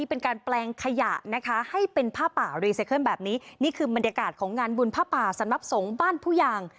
บรรยากาศของงานบุญผ้าป่าสนับสงบ้านผู้อย่าง